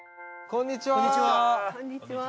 こんにちは。